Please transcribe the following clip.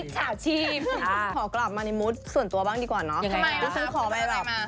ฉันก็วิ่งเหมือนกันตั้มคลั่งทางซีแยกฟ้าแดง